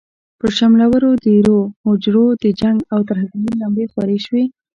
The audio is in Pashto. پر شملورو دېرو، هوجرو د جنګ او ترهګرۍ لمبې خورې شوې.